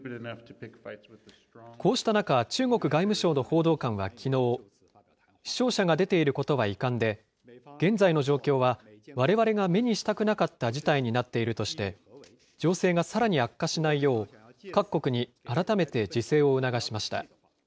こうした中、中国外務省の報道官はきのう、死傷者が出ていることは遺憾で、現在の状況はわれわれが目にしたくなかった事態になっているとして、情勢がさらに悪化しないよう、各国に改めて自制を促しました。